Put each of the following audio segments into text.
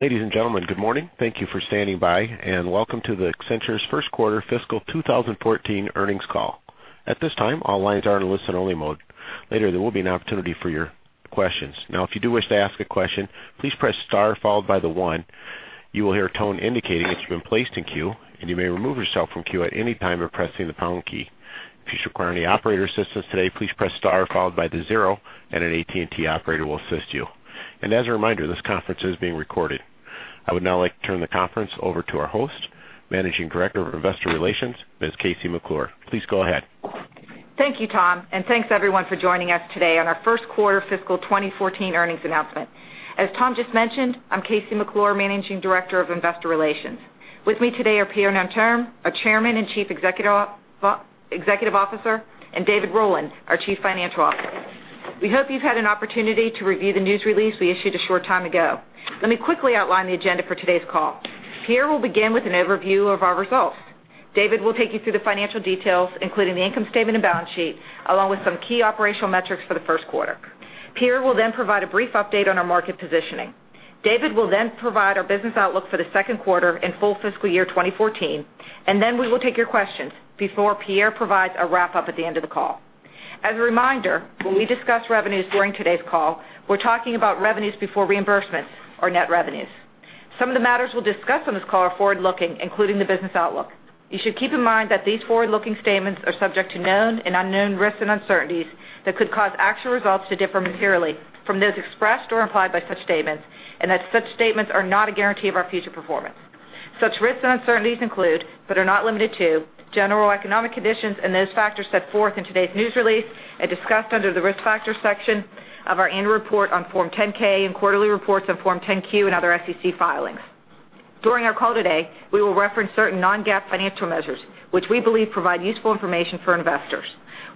Ladies and gentlemen, good morning. Thank you for standing by and welcome to Accenture's First Quarter Fiscal 2014 Earnings Call. At this time, all lines are in a listen-only mode. Later, there will be an opportunity for your questions. If you do wish to ask a question, please press star followed by the one. You will hear a tone indicating that you've been placed in queue, and you may remove yourself from queue at any time by pressing the pound key. If you should require any operator assistance today, please press star followed by the zero and an AT&T operator will assist you. As a reminder, this conference is being recorded. I would now like to turn the conference over to our host, Managing Director of Investor Relations, Ms. KC McClure. Please go ahead. Thank you, Tom. Thanks, everyone, for joining us today on our first quarter fiscal 2014 earnings announcement. As Tom just mentioned, I'm KC McClure, Managing Director of Investor Relations. With me today are Pierre Nanterme, our Chairman and Chief Executive Officer, and David Rowland, our Chief Financial Officer. We hope you've had an opportunity to review the news release we issued a short time ago. Let me quickly outline the agenda for today's call. Pierre will begin with an overview of our results. David will take you through the financial details, including the income statement and balance sheet, along with some key operational metrics for the first quarter. Pierre will provide a brief update on our market positioning. David will provide our business outlook for the second quarter and full fiscal year 2014. We will take your questions before Pierre provides a wrap-up at the end of the call. As a reminder, when we discuss revenues during today's call, we're talking about revenues before reimbursements or net revenues. Some of the matters we'll discuss on this call are forward-looking, including the business outlook. You should keep in mind that these forward-looking statements are subject to known and unknown risks and uncertainties that could cause actual results to differ materially from those expressed or implied by such statements and that such statements are not a guarantee of our future performance. Such risks and uncertainties include, but are not limited to, general economic conditions and those factors set forth in today's news release and discussed under the Risk Factors section of our annual report on Form 10-K and quarterly reports on Form 10-Q and other SEC filings. During our call today, we will reference certain non-GAAP financial measures, which we believe provide useful information for investors.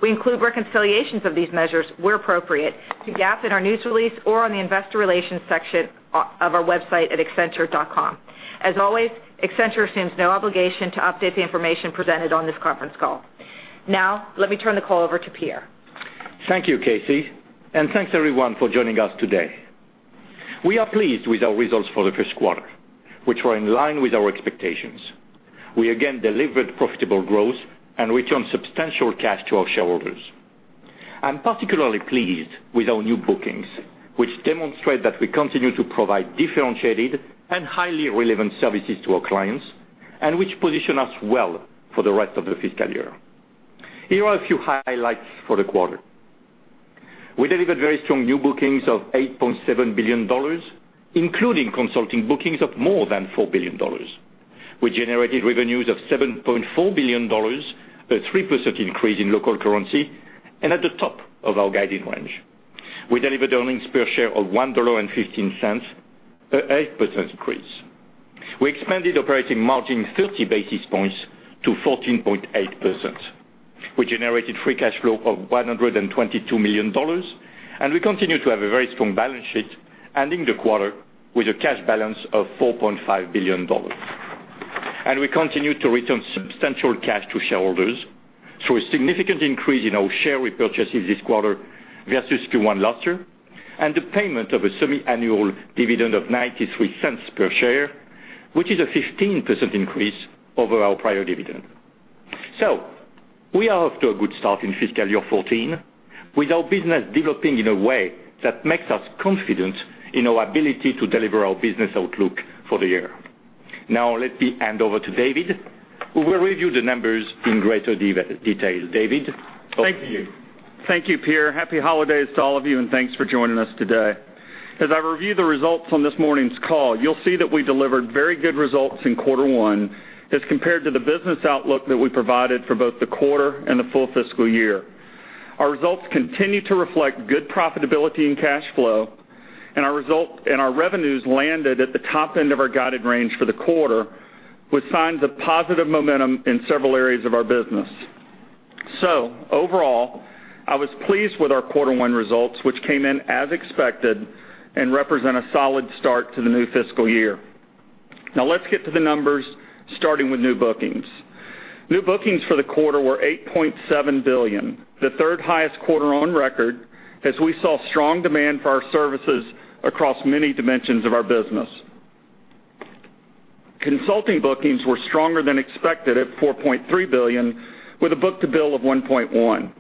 We include reconciliations of these measures where appropriate to GAAP in our news release or on the investor relations section of our website at accenture.com. As always, Accenture assumes no obligation to update the information presented on this conference call. Let me turn the call over to Pierre. Thank you, Casey. Thanks, everyone, for joining us today. We are pleased with our results for the first quarter, which were in line with our expectations. We again delivered profitable growth and returned substantial cash to our shareholders. I'm particularly pleased with our new bookings, which demonstrate that we continue to provide differentiated and highly relevant services to our clients and which position us well for the rest of the fiscal year. Here are a few highlights for the quarter. We delivered very strong new bookings of $8.7 billion, including consulting bookings of more than $4 billion. We generated revenues of $7.4 billion, a 3% increase in local currency and at the top of our guided range. We delivered earnings per share of $1.15, an 8% increase. We expanded operating margin 30 basis points to 14.8%. We generated free cash flow of $122 million. We continue to have a very strong balance sheet, ending the quarter with a cash balance of $4.5 billion. We continue to return substantial cash to shareholders through a significant increase in our share repurchases this quarter versus Q1 last year, and the payment of a semi-annual dividend of $0.93 per share, which is a 15% increase over our prior dividend. We are off to a good start in fiscal year 2014, with our business developing in a way that makes us confident in our ability to deliver our business outlook for the year. Let me hand over to David, who will review the numbers in greater detail. David, over to you. Thank you. Thank you, Pierre. Happy holidays to all of you. Thanks for joining us today. As I review the results on this morning's call, you'll see that we delivered very good results in quarter one as compared to the business outlook that we provided for both the quarter and the full fiscal year. Our results continue to reflect good profitability and cash flow, and our revenues landed at the top end of our guided range for the quarter, with signs of positive momentum in several areas of our business. Overall, I was pleased with our quarter one results, which came in as expected and represent a solid start to the new fiscal year. Let's get to the numbers, starting with new bookings. New bookings for the quarter were $8.7 billion, the third highest quarter on record as we saw strong demand for our services across many dimensions of our business. Consulting bookings were stronger than expected at $4.3 billion, with a book-to-bill of 1.1.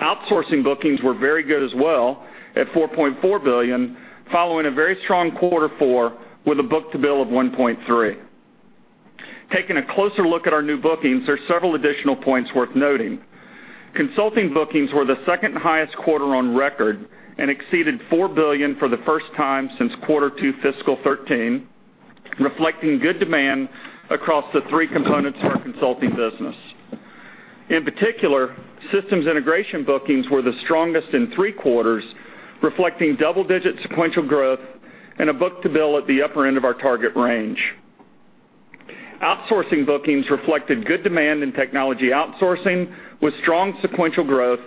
Outsourcing bookings were very good as well at $4.4 billion, following a very strong quarter four with a book-to-bill of 1.3. Taking a closer look at our new bookings, there are several additional points worth noting. Consulting bookings were the second highest quarter on record and exceeded $4 billion for the first time since quarter two fiscal 2013, reflecting good demand across the three components of our consulting business. In particular, systems integration bookings were the strongest in three quarters, reflecting double-digit sequential growth and a book-to-bill at the upper end of our target range. Outsourcing bookings reflected good demand in technology outsourcing with strong sequential growth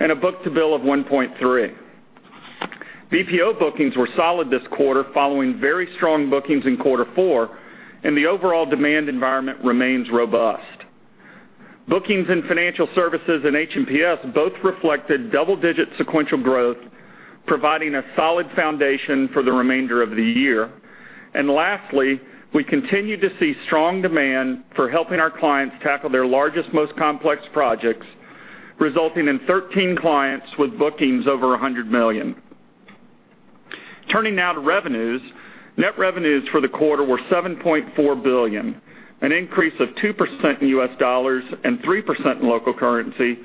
and a book-to-bill of 1.3. BPO bookings were solid this quarter following very strong bookings in quarter four, the overall demand environment remains robust. Bookings in financial services and H&PS both reflected double-digit sequential growth, providing a solid foundation for the remainder of the year. Lastly, we continue to see strong demand for helping our clients tackle their largest, most complex projects, resulting in 13 clients with bookings over $100 million. Turning now to revenues. Net revenues for the quarter were $7.4 billion, an increase of 2% in U.S. dollars and 3% in local currency,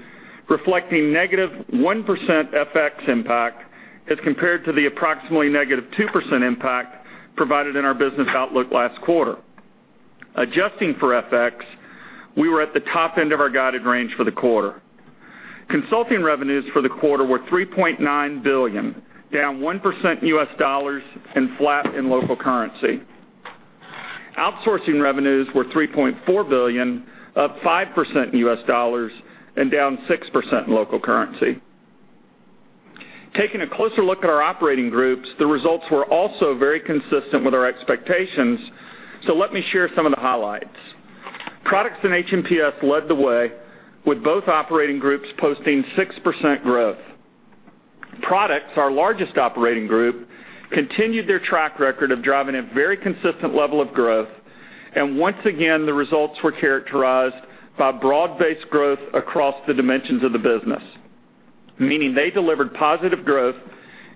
reflecting -1% FX impact as compared to the approximately -2% impact provided in our business outlook last quarter. Adjusting for FX, we were at the top end of our guided range for the quarter. Consulting revenues for the quarter were $3.9 billion, down 1% in U.S. dollars and flat in local currency. Outsourcing revenues were $3.4 billion, up 5% in U.S. dollars and down 6% in local currency. Taking a closer look at our operating groups, the results were also very consistent with our expectations, let me share some of the highlights. Products and H&PS led the way, with both operating groups posting 6% growth. Products, our largest operating group, continued their track record of driving a very consistent level of growth, once again, the results were characterized by broad-based growth across the dimensions of the business, meaning they delivered positive growth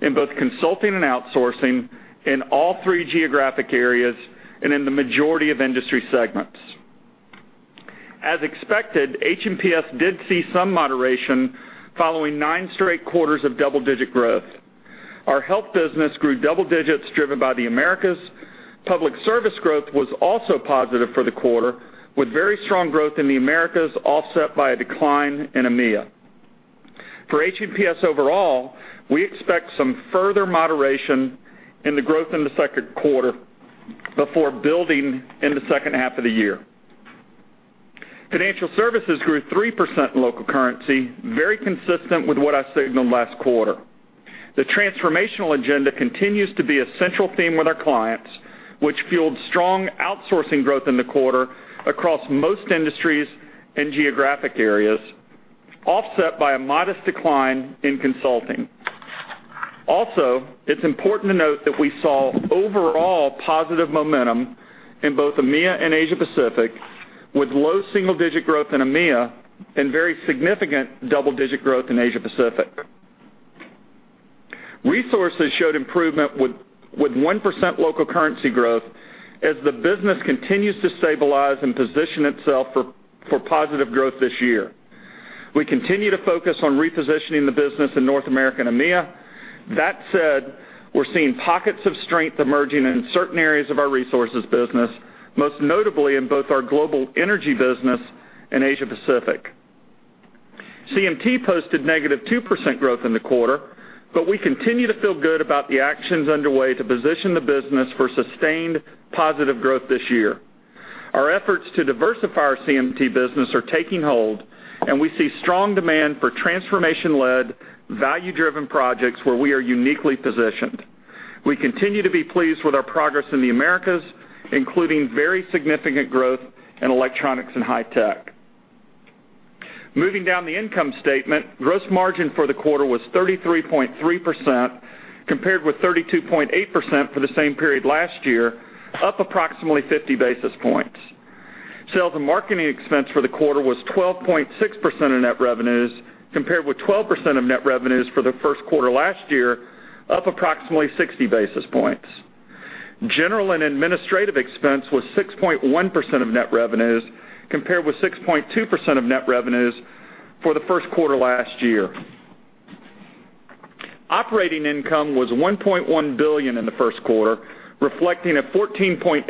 in both consulting and outsourcing in all three geographic areas and in the majority of industry segments. As expected, H&PS did see some moderation following nine straight quarters of double-digit growth. Our health business grew double digits, driven by the Americas. Public service growth was also positive for the quarter, with very strong growth in the Americas, offset by a decline in EMEA. For H&PS overall, we expect some further moderation in the growth in the second quarter before building in the second half of the year. Financial services grew 3% in local currency, very consistent with what I signaled last quarter. The transformational agenda continues to be a central theme with our clients, which fueled strong outsourcing growth in the quarter across most industries and geographic areas, offset by a modest decline in consulting. It's important to note that we saw overall positive momentum in both EMEA and Asia-Pacific, with low single-digit growth in EMEA and very significant double-digit growth in Asia-Pacific. Resources showed improvement with 1% local currency growth as the business continues to stabilize and position itself for positive growth this year. We continue to focus on repositioning the business in North America and EMEA. That said, we're seeing pockets of strength emerging in certain areas of our resources business, most notably in both our global energy business and Asia-Pacific. CMT posted -2% growth in the quarter, we continue to feel good about the actions underway to position the business for sustained positive growth this year. Our efforts to diversify our CMT business are taking hold, we see strong demand for transformation-led, value-driven projects where we are uniquely positioned. We continue to be pleased with our progress in the Americas, including very significant growth in Electronics and High-Tech. Moving down the income statement, gross margin for the quarter was 33.3%, compared with 32.8% for the same period last year, up approximately 50 basis points. Sales and marketing expense for the quarter was 12.6% of net revenues, compared with 12% of net revenues for the first quarter last year, up approximately 60 basis points. General and administrative expense was 6.1% of net revenues, compared with 6.2% of net revenues for the first quarter last year. Operating income was $1.1 billion in the first quarter, reflecting a 14.8%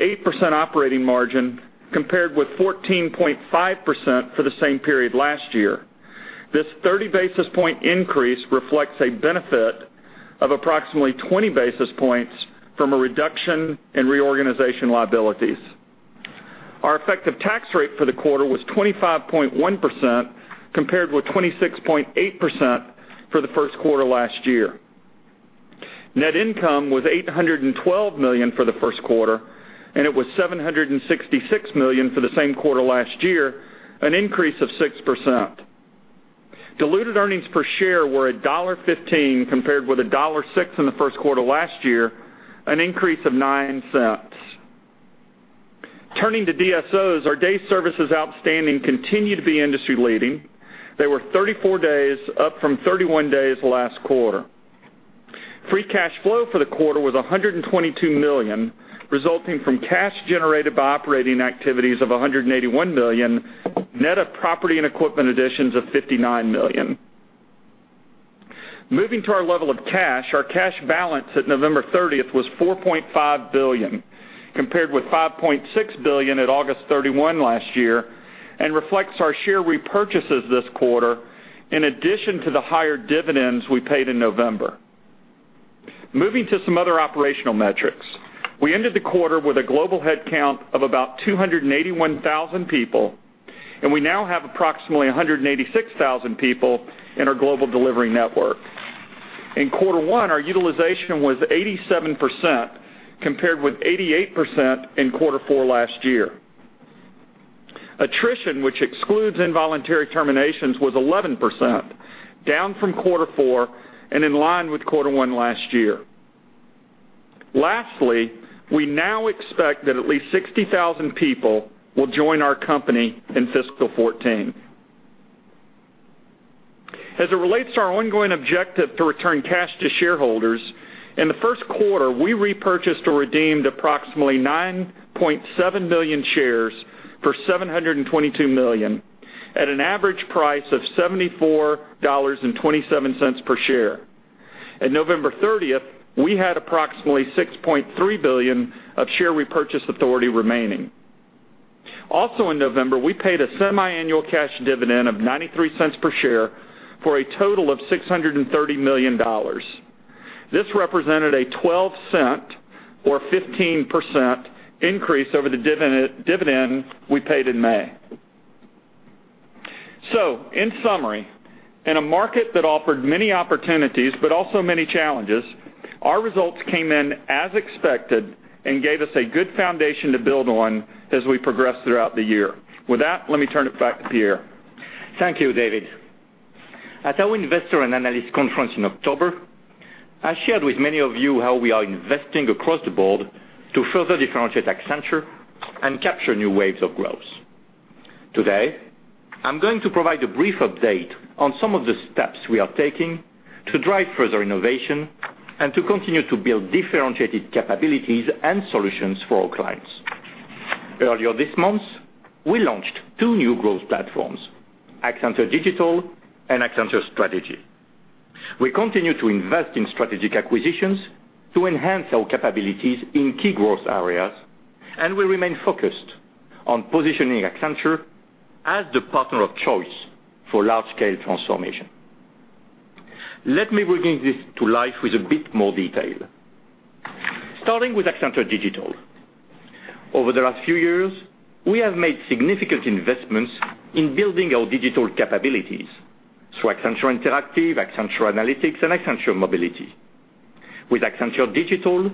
operating margin compared with 14.5% for the same period last year. This 30 basis point increase reflects a benefit of approximately 20 basis points from a reduction in reorganization liabilities. Our effective tax rate for the quarter was 25.1%, compared with 26.8% for the first quarter last year. Net income was $812 million for the first quarter, and it was $766 million for the same quarter last year, an increase of 6%. Diluted earnings per share were $1.15, compared with $1.06 in the first quarter last year, an increase of $0.09. Turning to DSOs, our days services outstanding continue to be industry leading. They were 34 days, up from 31 days last quarter. Free cash flow for the quarter was $122 million, resulting from cash generated by operating activities of $181 million, net of property and equipment additions of $59 million. Moving to our level of cash, our cash balance at November 30th was $4.5 billion, compared with $5.6 billion at August 31 last year, and reflects our share repurchases this quarter, in addition to the higher dividends we paid in November. Moving to some other operational metrics. We ended the quarter with a global head count of about 281,000 people, and we now have approximately 186,000 people in our Global Delivery Network. In quarter one, our utilization was 87%, compared with 88% in quarter four last year. Attrition, which excludes involuntary terminations, was 11%, down from quarter four, and in line with quarter one last year. Lastly, we now expect that at least 60,000 people will join our company in fiscal 2014. As it relates to our ongoing objective to return cash to shareholders, in the first quarter, we repurchased or redeemed approximately 9.7 million shares for $722 million at an average price of $74.27 per share. At November 30th, we had approximately $6.3 billion of share repurchase authority remaining. Also in November, we paid a semiannual cash dividend of $0.93 per share for a total of $630 million. This represented a $0.12 or 15% increase over the dividend we paid in May. In summary, in a market that offered many opportunities, but also many challenges, our results came in as expected and gave us a good foundation to build on as we progress throughout the year. With that, let me turn it back to Pierre. Thank you, David. At our Investor & Analyst Conference in October, I shared with many of you how we are investing across the board to further differentiate Accenture and capture new waves of growth. Today, I am going to provide a brief update on some of the steps we are taking to drive further innovation and to continue to build differentiated capabilities and solutions for our clients. Earlier this month, we launched two new growth platforms, Accenture Digital and Accenture Strategy. We continue to invest in strategic acquisitions to enhance our capabilities in key growth areas. We remain focused on positioning Accenture as the partner of choice for large-scale transformation. Let me bring this to life with a bit more detail. Starting with Accenture Digital. Over the last few years, we have made significant investments in building our digital capabilities through Accenture Interactive, Accenture Analytics, and Accenture Mobility. With Accenture Digital,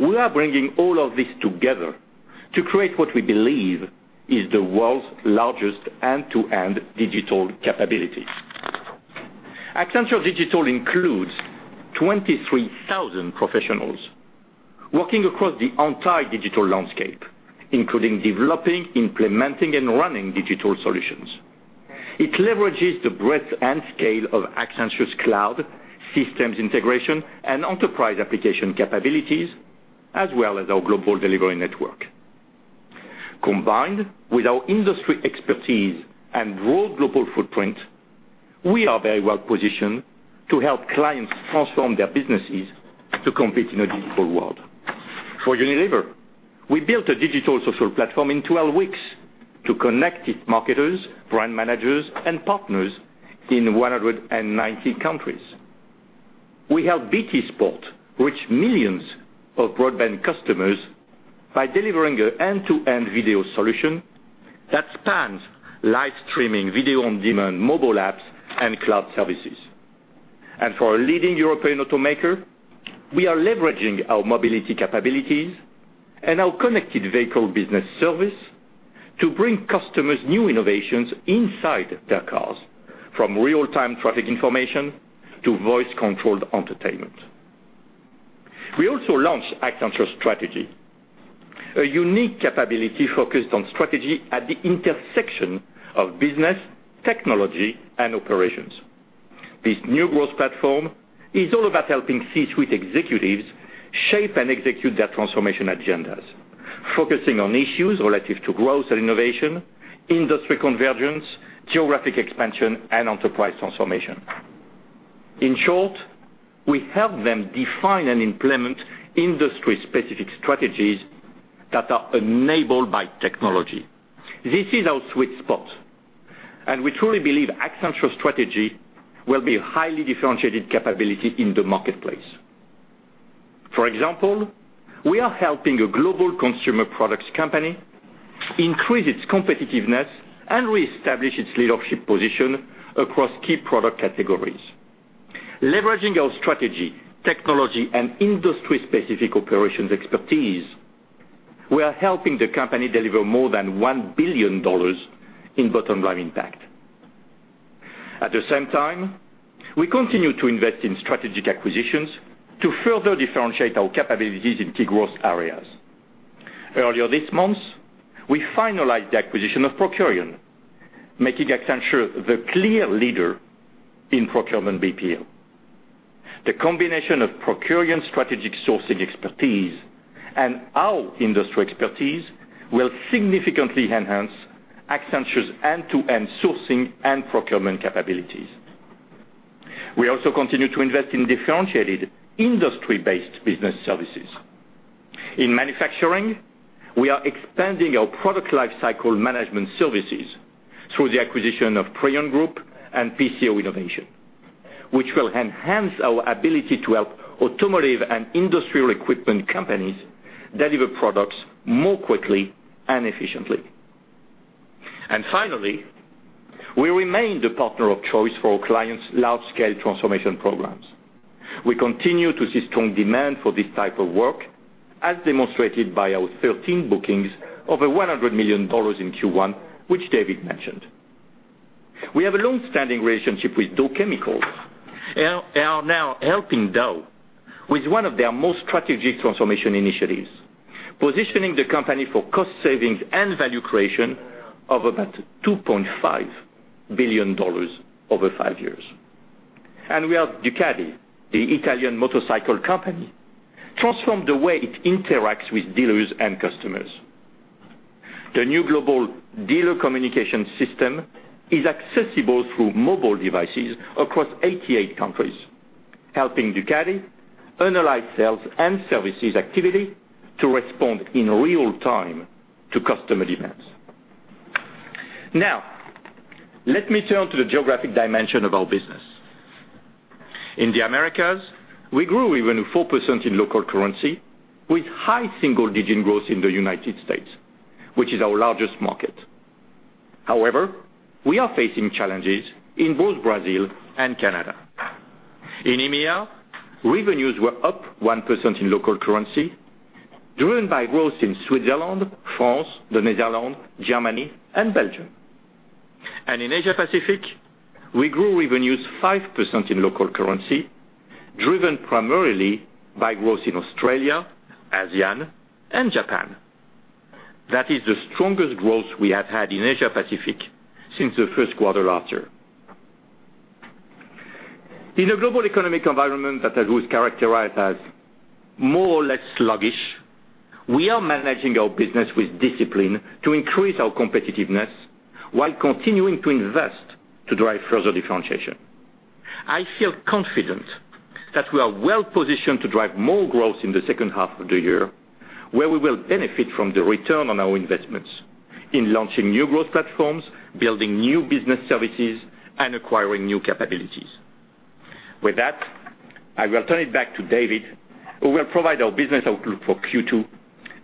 we are bringing all of this together to create what we believe is the world's largest end-to-end digital capability. Accenture Digital includes 23,000 professionals working across the entire digital landscape, including developing, implementing, and running digital solutions. It leverages the breadth and scale of Accenture's cloud, systems integration, and enterprise application capabilities, as well as our Global Delivery Network. Combined with our industry expertise and broad global footprint, we are very well positioned to help clients transform their businesses to compete in a digital world. For Unilever, we built a digital social platform in 12 weeks to connect its marketers, brand managers, and partners in 190 countries. We help BT Sport reach millions of broadband customers by delivering an end-to-end video solution that spans live streaming, video on demand, mobile apps, and cloud services. For a leading European automaker, we are leveraging our mobility capabilities and our connected vehicle business service to bring customers new innovations inside their cars, from real-time traffic information to voice-controlled entertainment. We also launched Accenture Strategy, a unique capability focused on strategy at the intersection of business, technology, and operations. This new growth platform is all about helping C-suite executives shape and execute their transformation agendas, focusing on issues relative to growth and innovation, industry convergence, geographic expansion, and enterprise transformation. In short, we help them define and implement industry-specific strategies that are enabled by technology. This is our sweet spot. We truly believe Accenture Strategy will be a highly differentiated capability in the marketplace. For example, we are helping a global consumer products company increase its competitiveness and reestablish its leadership position across key product categories. Leveraging our strategy, technology, and industry-specific operations expertise, we are helping the company deliver more than $1 billion in bottom-line impact. At the same time, we continue to invest in strategic acquisitions to further differentiate our capabilities in key growth areas. Earlier this month, we finalized the acquisition of Procurian, making Accenture the clear leader in procurement BPO. The combination of Procurian's strategic sourcing expertise and our industry expertise will significantly enhance Accenture's end-to-end sourcing and procurement capabilities. We also continue to invest in differentiated industry-based business services. In manufacturing, we are expanding our product lifecycle management services through the acquisition of PRION Group and PCO Innovation, which will enhance our ability to help automotive and industrial equipment companies deliver products more quickly and efficiently. Finally, we remain the partner of choice for our clients' large-scale transformation programs. We continue to see strong demand for this type of work, as demonstrated by our 13 bookings over $100 million in Q1, which David mentioned. We have a long-standing relationship with Dow Chemical and are now helping Dow with one of their most strategic transformation initiatives, positioning the company for cost savings and value creation of about $2.5 billion over five years. We helped Ducati, the Italian motorcycle company, transform the way it interacts with dealers and customers. The new global dealer communication system is accessible through mobile devices across 88 countries, helping Ducati analyze sales and services activity to respond in real time to customer demands. Let me turn to the geographic dimension of our business. In the Americas, we grew even 4% in local currency with high single-digit growth in the United States, which is our largest market. We are facing challenges in both Brazil and Canada. In EMEA, revenues were up 1% in local currency, driven by growth in Switzerland, France, the Netherlands, Germany, and Belgium. In Asia Pacific, we grew revenues 5% in local currency, driven primarily by growth in Australia, ASEAN, and Japan. That is the strongest growth we have had in Asia Pacific since the first quarter last year. In a global economic environment that I would characterize as more or less sluggish, we are managing our business with discipline to increase our competitiveness while continuing to invest to drive further differentiation. I feel confident that we are well-positioned to drive more growth in the second half of the year, where we will benefit from the return on our investments in launching new growth platforms, building new business services, and acquiring new capabilities. With that, I will turn it back to David, who will provide our business outlook for Q2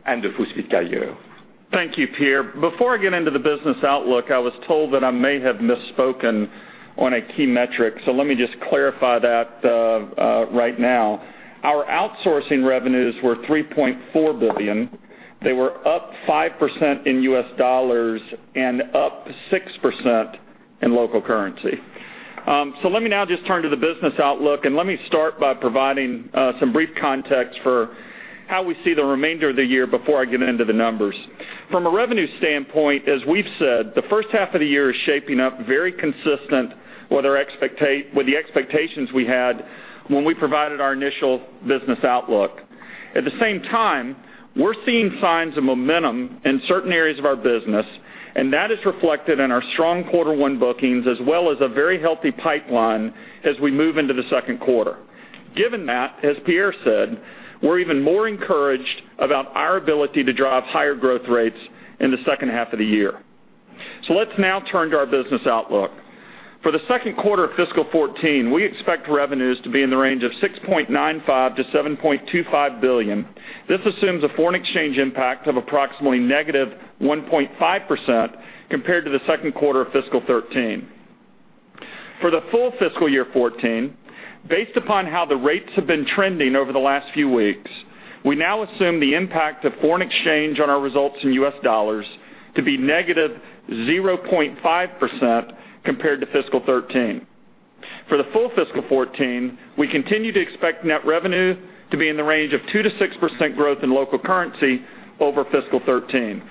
and the full fiscal year. Thank you, Pierre. Before I get into the business outlook, I was told that I may have misspoken on a key metric, so let me just clarify that right now. Our outsourcing revenues were $3.4 billion. They were up 5% in US dollars and up 6% in local currency. Let me now just turn to the business outlook, and let me start by providing some brief context for how we see the remainder of the year before I get into the numbers. From a revenue standpoint, as we've said, the first half of the year is shaping up very consistent with the expectations we had when we provided our initial business outlook. At the same time, we're seeing signs of momentum in certain areas of our business, and that is reflected in our strong quarter one bookings as well as a very healthy pipeline as we move into the second quarter. Given that, as Pierre said, we're even more encouraged about our ability to drive higher growth rates in the second half of the year. Let's now turn to our business outlook. For the second quarter of fiscal 2014, we expect revenues to be in the range of $6.95 billion-$7.25 billion. This assumes a foreign exchange impact of approximately -1.5% compared to the second quarter of fiscal 2013. For the full fiscal year 2014, based upon how the rates have been trending over the last few weeks, we now assume the impact of foreign exchange on our results in U.S. dollars to be -0.5% compared to fiscal 2013. For the full fiscal 2014, we continue to expect net revenue to be in the range of 2%-6% growth in local currency over fiscal 2013.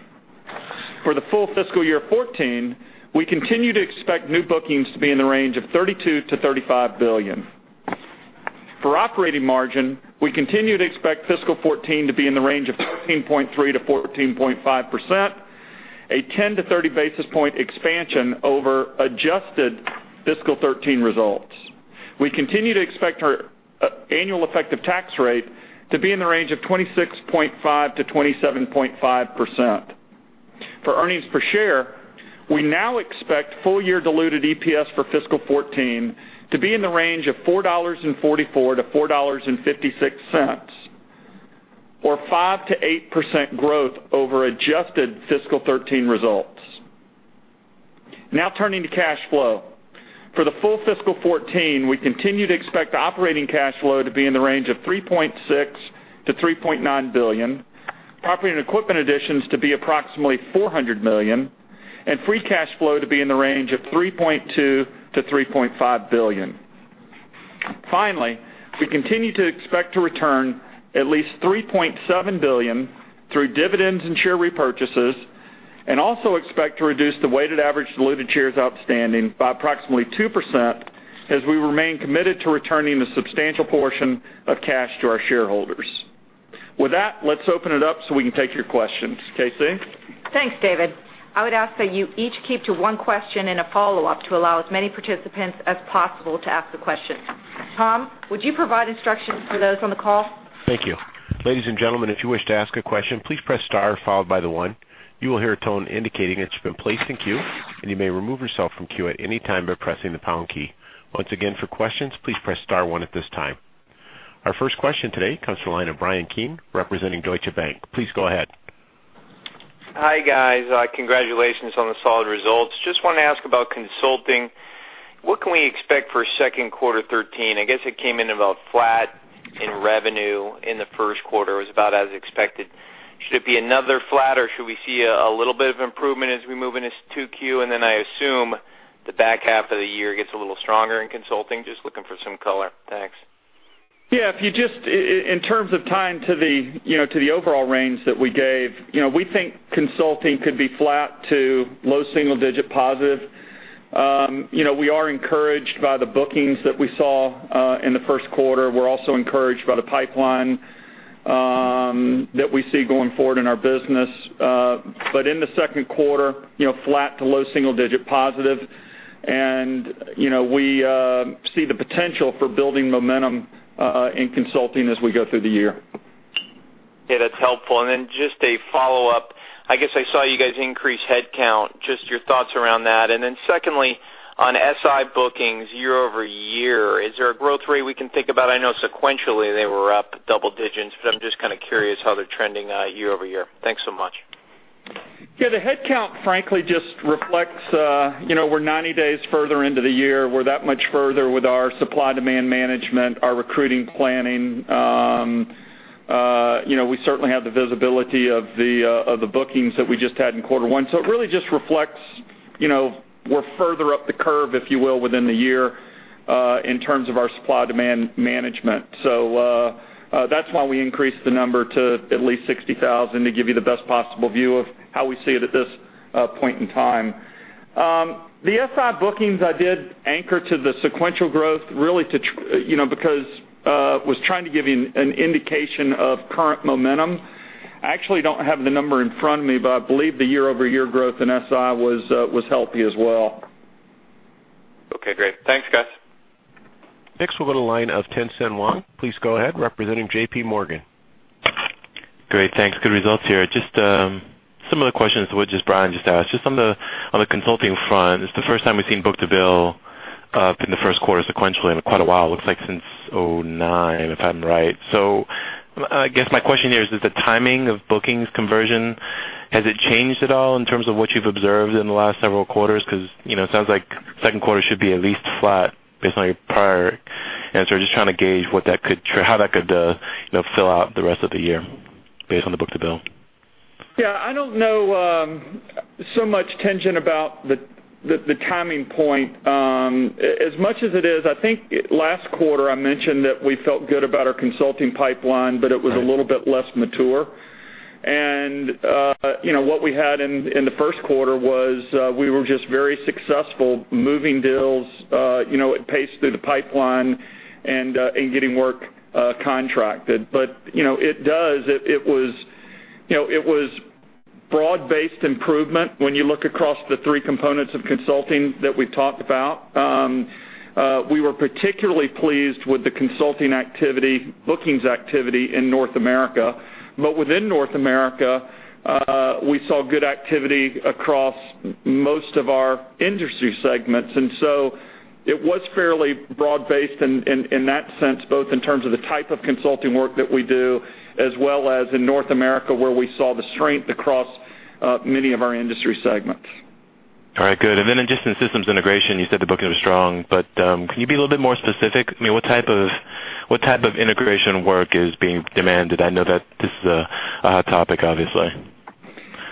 For the full fiscal year 2014, we continue to expect new bookings to be in the range of $32 billion-$35 billion. For operating margin, we continue to expect fiscal 2014 to be in the range of 14.3%-14.5%, a 10-30 basis point expansion over adjusted fiscal 2013 results. We continue to expect our annual effective tax rate to be in the range of 26.5%-27.5%. For earnings per share, we now expect full-year diluted EPS for fiscal 2014 to be in the range of $4.44-$4.56, or 5%-8% growth over adjusted fiscal 2013 results. Turning to cash flow. For the full fiscal 2014, we continue to expect operating cash flow to be in the range of $3.6 billion-$3.9 billion, property and equipment additions to be approximately $400 million, and free cash flow to be in the range of $3.2 billion-$3.5 billion. We continue to expect to return at least $3.7 billion through dividends and share repurchases and also expect to reduce the weighted average diluted shares outstanding by approximately 2% as we remain committed to returning a substantial portion of cash to our shareholders. With that, let's open it up so we can take your questions. Casey? Thanks, David. I would ask that you each keep to one question and a follow-up to allow as many participants as possible to ask the questions. Tom, would you provide instructions for those on the call? Thank you. Ladies and gentlemen, if you wish to ask a question, please press star one. You will hear a tone indicating that you've been placed in queue, and you may remove yourself from queue at any time by pressing the pound key. Once again, for questions, please press star one at this time. Our first question today comes from the line of Bryan Keane, representing Deutsche Bank. Please go ahead. Hi, guys. Congratulations on the solid results. Just want to ask about consulting. What can we expect for second quarter 2013? I guess it came in about flat in revenue in the first quarter. It was about as expected. Should it be another flat, or should we see a little bit of improvement as we move into 2Q? Then I assume the back half of the year gets a little stronger in consulting. Just looking for some color. Thanks. Yeah. In terms of tying to the overall range that we gave, we think consulting could be flat to low single-digit positive. We are encouraged by the bookings that we saw in the first quarter. We're also encouraged by the pipeline that we see going forward in our business. In the second quarter, flat to low single-digit positive, and we see the potential for building momentum in consulting as we go through the year. Yeah, that's helpful. Then just a follow-up. I guess I saw you guys increase headcount, just your thoughts around that. Then secondly, on SI bookings year-over-year, is there a growth rate we can think about? I know sequentially they were up double digits, but I'm just kind of curious how they're trending year-over-year. Thanks so much. The headcount, frankly, just reflects we're 90 days further into the year. We're that much further with our supply-demand management, our recruiting planning. We certainly have the visibility of the bookings that we just had in Q1. It really just reflects we're further up the curve, if you will, within the year in terms of our supply-demand management. That's why we increased the number to at least 60,000 to give you the best possible view of how we see it at this point in time. The SI bookings, I did anchor to the sequential growth, because I was trying to give you an indication of current momentum. I actually don't have the number in front of me, but I believe the year-over-year growth in SI was healthy as well. Okay, great. Thanks, guys. Next, we'll go to line of Tien-Tsin Huang. Please go ahead, representing JPMorgan. Great. Thanks. Good results here. Just some of the questions which Bryan just asked. Just on the consulting front, it's the first time we've seen book-to-bill up in the Q1 sequentially in quite a while, looks like since 2009, if I'm right. I guess my question here is the timing of bookings conversion, has it changed at all in terms of what you've observed in the last several quarters? Because it sounds like Q2 should be at least flat based on your prior answer. Just trying to gauge how that could fill out the rest of the year based on the book-to-bill. I don't know so much, Tien-Tsin, about the timing point. As much as it is, I think last quarter I mentioned that we felt good about our consulting pipeline, but it was a little bit less mature. What we had in the first quarter was we were just very successful moving deals at pace through the pipeline and getting work contracted. It does. It was broad-based improvement when you look across the three components of consulting that we've talked about. We were particularly pleased with the consulting activity, bookings activity in North America. Within North America, we saw good activity across most of our industry segments. It was fairly broad-based in that sense, both in terms of the type of consulting work that we do, as well as in North America, where we saw the strength across many of our industry segments. All right, good. Just in systems integration, you said the bookings were strong, can you be a little bit more specific? What type of integration work is being demanded? I know that this is a hot topic, obviously.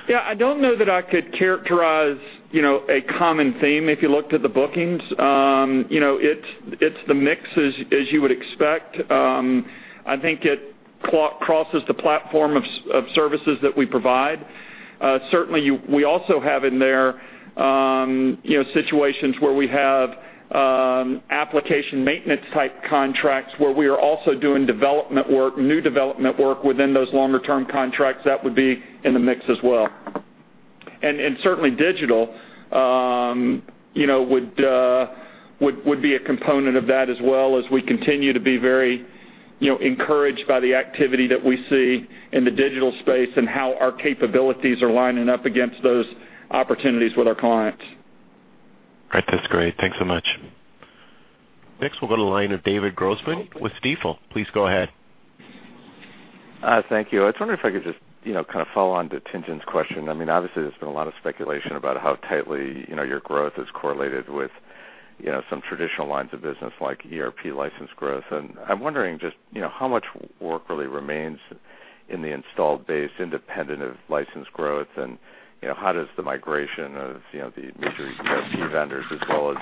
Yeah, I don't know that I could characterize a common theme if you looked at the bookings. It's the mix, as you would expect. I think it crosses the platform of services that we provide. Certainly, we also have in there situations where we have application maintenance type contracts where we are also doing new development work within those longer-term contracts. That would be in the mix as well. Certainly, digital would be a component of that as well as we continue to be very encouraged by the activity that we see in the digital space and how our capabilities are lining up against those opportunities with our clients. Right. That's great. Thanks so much. Next, we'll go to the line of David Grossman with Stifel. Please go ahead. Thank you. I was wondering if I could just follow on to Tien-Tsin's question. Obviously, there's been a lot of speculation about how tightly your growth is correlated with some traditional lines of business like ERP license growth. I'm wondering just how much work really remains in the installed base independent of license growth, and how does the migration of the major ERP vendors as well as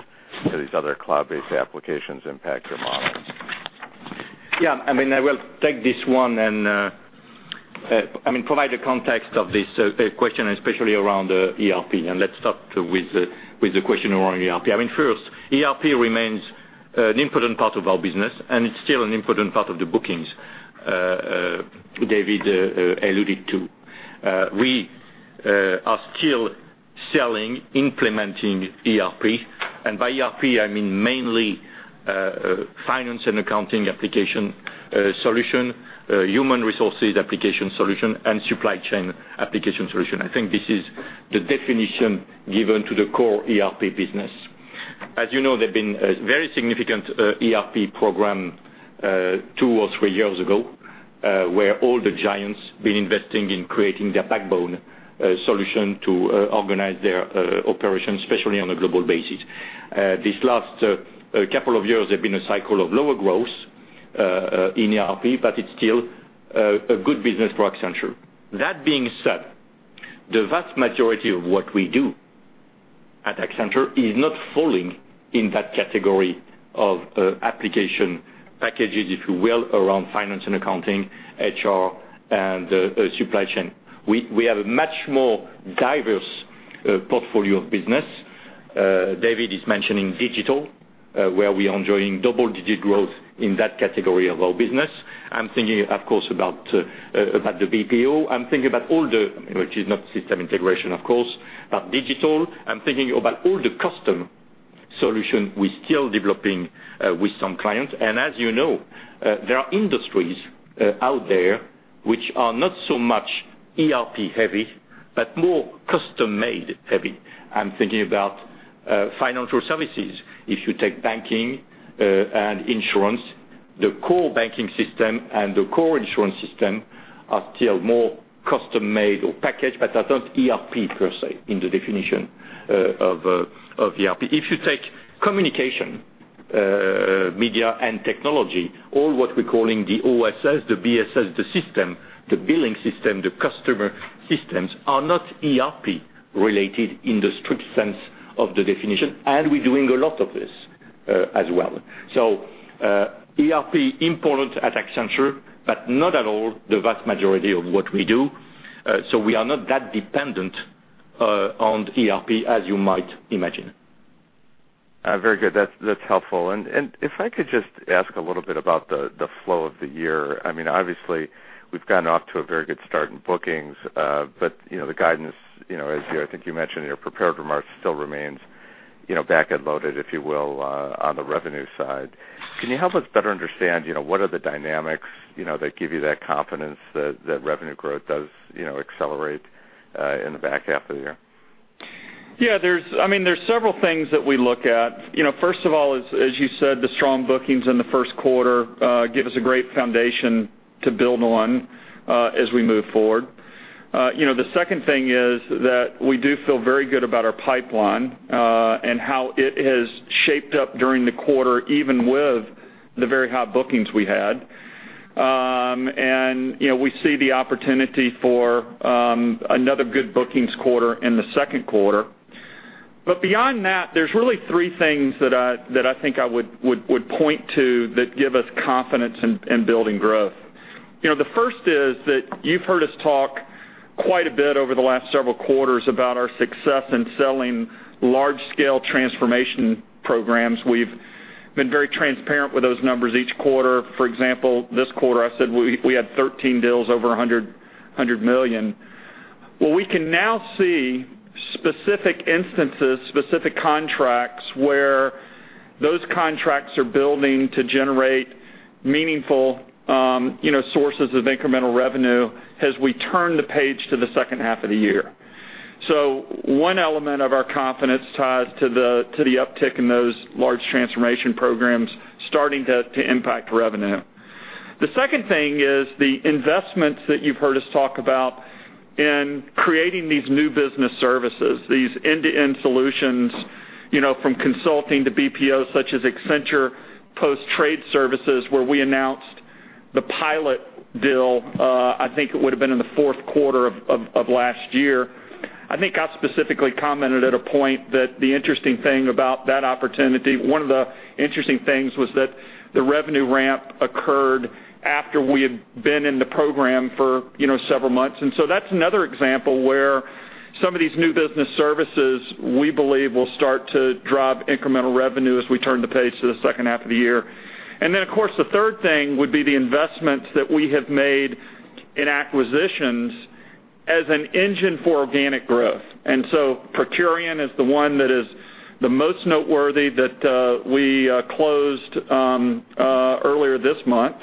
these other cloud-based applications impact your model? I will take this one and provide a context of this question, especially around ERP. Let's start with the question around ERP. First, ERP remains an important part of our business, and it's still an important part of the bookings David alluded to. We are still selling, implementing ERP, and by ERP, I mean mainly finance and accounting application solution, human resources application solution, and supply chain application solution. I think this is the definition given to the core ERP business. As you know, there's been a very significant ERP program two or three years ago, where all the giants been investing in creating their backbone solution to organize their operations, especially on a global basis. This last couple of years, there's been a cycle of lower growth, in ERP, but it's still a good business for Accenture. That being said, the vast majority of what we do at Accenture is not falling in that category of application packages, if you will, around finance and accounting, HR, and supply chain. We have a much more diverse portfolio of business. David is mentioning digital, where we are enjoying double-digit growth in that category of our business. I'm thinking, of course, about the BPO. I'm thinking about all the, which is not system integration, of course, but digital. I'm thinking about all the custom solution we're still developing with some clients. As you know, there are industries out there which are not so much ERP heavy, but more custom-made heavy. I'm thinking about financial services. If you take banking and insurance, the core banking system and the core insurance system are still more custom-made or packaged, but are not ERP per se, in the definition of ERP. If you take communication, media and technology, or what we're calling the OSS, the BSS, the system, the billing system, the customer systems are not ERP related in the strict sense of the definition. We're doing a lot of this as well. ERP important at Accenture, but not at all the vast majority of what we do. We are not that dependent on ERP as you might imagine. Very good. That's helpful. If I could just ask a little bit about the flow of the year. Obviously, we've gotten off to a very good start in bookings. The guidance, as I think you mentioned in your prepared remarks, still remains backend loaded, if you will, on the revenue side. Can you help us better understand, what are the dynamics that give you that confidence that revenue growth does accelerate in the back half of the year? Yeah. There's several things that we look at. First of all, as you said, the strong bookings in the first quarter give us a great foundation to build on as we move forward. The second thing is that we do feel very good about our pipeline, and how it has shaped up during the quarter, even with the very high bookings we had. We see the opportunity for another good bookings quarter in the second quarter. Beyond that, there's really three things that I think I would point to that give us confidence in building growth. The first is that you've heard us talk quite a bit over the last several quarters about our success in selling large-scale transformation programs. We've been very transparent with those numbers each quarter. For example, this quarter, I said we had 13 deals over $100 million. Well, we can now see specific instances, specific contracts, where those contracts are building to generate meaningful sources of incremental revenue as we turn the page to the second half of the year. One element of our confidence ties to the uptick in those large transformation programs starting to impact revenue. The second thing is the investments that you've heard us talk about in creating these new business services, these end-to-end solutions, from consulting to BPO, such as Accenture Post-Trade services, where we announced the pilot deal, I think it would've been in the fourth quarter of last year. I think I specifically commented at a point that the interesting thing about that opportunity, one of the interesting things was that the revenue ramp occurred after we had been in the program for several months. That's another example where some of these new business services, we believe will start to drive incremental revenue as we turn the page to the second half of the year. Of course, the third thing would be the investments that we have made in acquisitions as an engine for organic growth. Procurian is the one that is the most noteworthy that we closed earlier this month.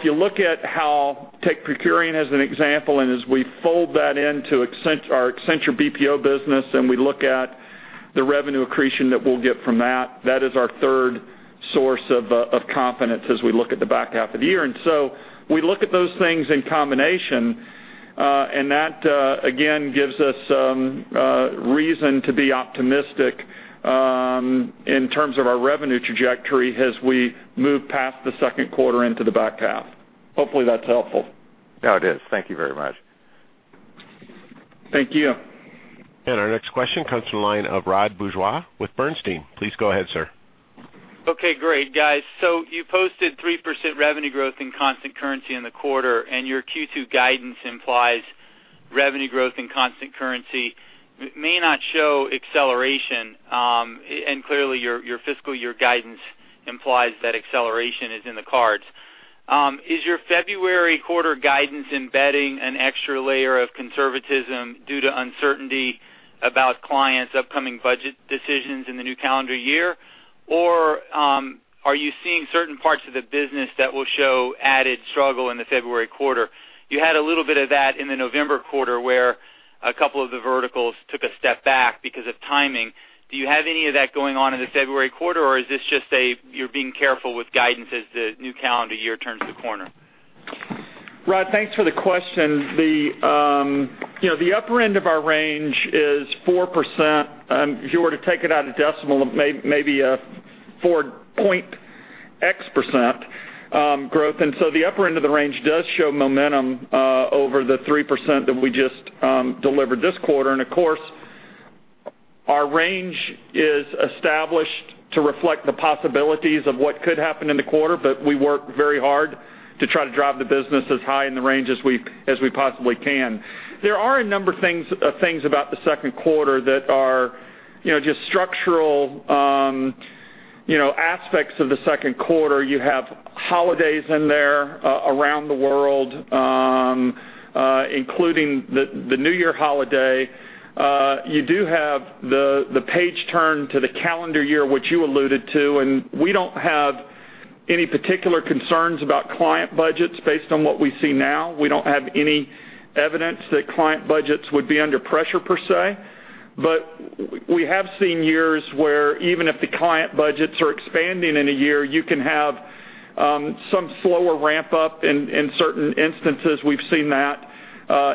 If you look at how, take Procurian as an example, as we fold that into our Accenture BPO business, and we look at the revenue accretion that we'll get from that is our third source of confidence as we look at the back half of the year. We look at those things in combination. That, again, gives us reason to be optimistic in terms of our revenue trajectory as we move past the second quarter into the back half. Hopefully, that's helpful. Yeah, it is. Thank you very much. Thank you. Our next question comes from the line of Rod Bourgeois with Bernstein. Please go ahead, sir. Okay. Great. Guys, you posted 3% revenue growth in constant currency in the quarter, your Q2 guidance implies revenue growth in constant currency may not show acceleration. Clearly, your fiscal year guidance implies that acceleration is in the cards. Is your February quarter guidance embedding an extra layer of conservatism due to uncertainty about clients' upcoming budget decisions in the new calendar year? Or are you seeing certain parts of the business that will show added struggle in the February quarter? You had a little bit of that in the November quarter, where a couple of the verticals took a step back because of timing. Do you have any of that going on in the February quarter, or is this just you're being careful with guidance as the new calendar year turns the corner? Rod, thanks for the question. The upper end of our range is 4%. If you were to take it out a decimal, maybe a 4 point x percent growth, so the upper end of the range does show momentum over the 3% that we just delivered this quarter. Of course, our range is established to reflect the possibilities of what could happen in the quarter, but we work very hard to try to drive the business as high in the range as we possibly can. There are a number of things about the second quarter that are just structural aspects of the second quarter. You have holidays in there around the world, including the New Year holiday. You do have the page turn to the calendar year, which you alluded to, and we don't have any particular concerns about client budgets based on what we see now. We don't have any evidence that client budgets would be under pressure, per se. We have seen years where even if the client budgets are expanding in a year, you can have some slower ramp-up in certain instances. We've seen that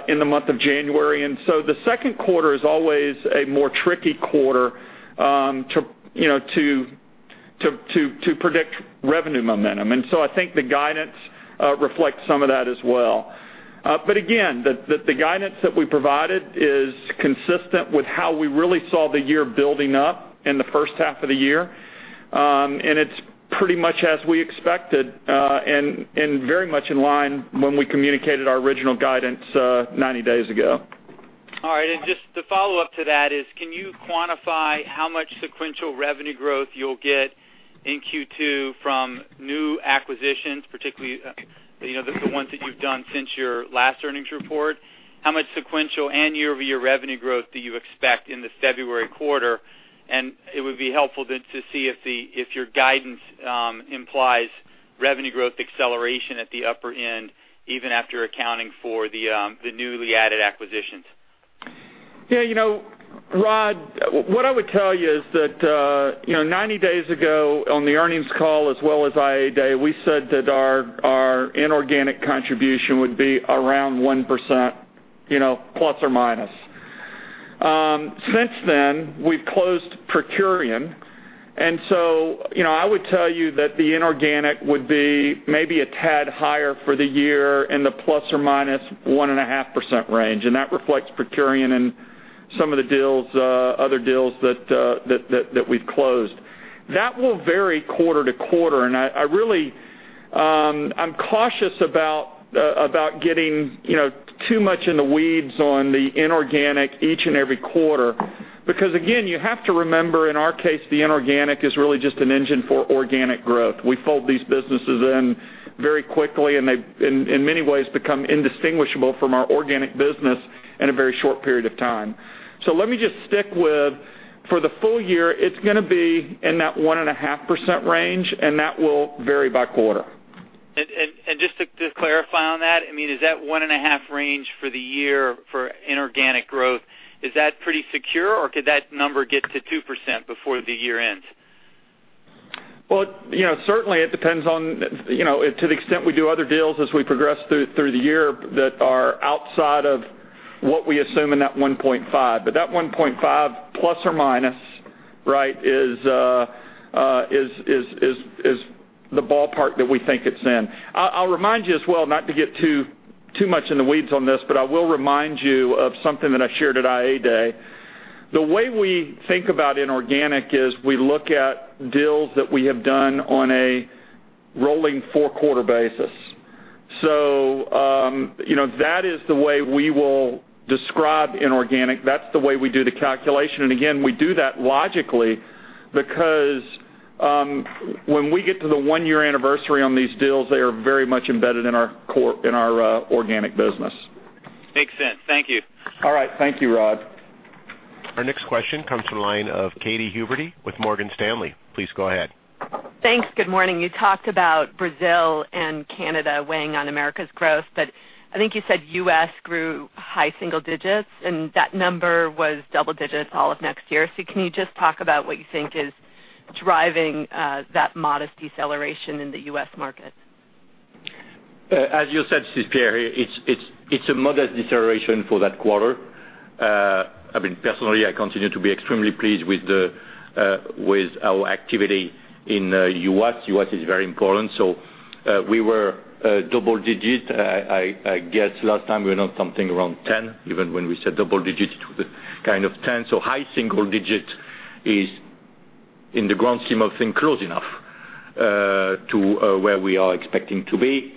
in the month of January, so the second quarter is always a more tricky quarter to predict revenue momentum. So I think the guidance reflects some of that as well. Again, the guidance that we provided is consistent with how we really saw the year building up in the first half of the year. It's pretty much as we expected, and very much in line when we communicated our original guidance 90 days ago. All right. Just the follow-up to that is, can you quantify how much sequential revenue growth you'll get in Q2 from new acquisitions, particularly, the ones that you've done since your last earnings report? How much sequential and year-over-year revenue growth do you expect in the February quarter? It would be helpful then to see if your guidance implies revenue growth acceleration at the upper end, even after accounting for the newly added acquisitions. Rod, what I would tell you is that, 90 days ago, on the earnings call as well as Investor Day, we said that our inorganic contribution would be around 1%, plus or minus. Since then, we've closed Procurian, I would tell you that the inorganic would be maybe a tad higher for the year in the plus or minus 1.5% range, and that reflects Procurian and some of the other deals that we've closed. That will vary quarter-to-quarter, I'm cautious about getting too much in the weeds on the inorganic each and every quarter. Again, you have to remember, in our case, the inorganic is really just an engine for organic growth. We fold these businesses in very quickly, and they, in many ways, become indistinguishable from our organic business in a very short period of time. Let me just stick with, for the full year, it's going to be in that 1.5% range, That will vary by quarter. Just to clarify on that, is that 1.5% range for the year for inorganic growth, is that pretty secure, or could that number get to 2% before the year ends? Well, certainly it depends on to the extent we do other deals as we progress through the year that are outside of what we assume in that $1.5. That $1.5 plus or minus is the ballpark that we think it's in. I'll remind you as well, not to get too much in the weeds on this, but I will remind you of something that I shared at Investor Day. The way we think about inorganic is we look at deals that we have done on a rolling four-quarter basis. That is the way we will describe inorganic. That's the way we do the calculation. Again, we do that logically because when we get to the one-year anniversary on these deals, they are very much embedded in our organic business. Makes sense. Thank you. All right. Thank you, Rod. Our next question comes from the line of Katy Huberty with Morgan Stanley. Please go ahead. Thanks. Good morning. You talked about Brazil and Canada weighing on America's growth, but I think you said U.S. grew high single digits, and that number was double digits all of next year. Can you just talk about what you think is driving that modest deceleration in the U.S. market? As you said, this is Pierre here. It's a modest deterioration for that quarter. Personally, I continue to be extremely pleased with our activity in U.S. U.S. is very important. We were double digit. I guess last time we announced something around 10, even when we said double digit, it was kind of 10. High single digit is, in the grand scheme of things, close enough to where we are expecting to be.